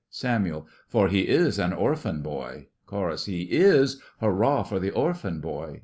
SAMUEL: For he is an orphan boy! CHORUS: He is! Hurrah for the orphan boy!